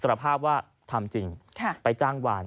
รภาพว่าทำจริงไปจ้างวาน